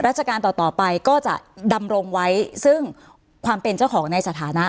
การต่อต่อไปก็จะดำรงไว้ซึ่งความเป็นเจ้าของในสถานะ